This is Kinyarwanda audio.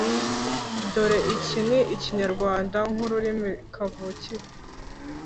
dore iki ni ikinyarwanda nk’ururimi kavukire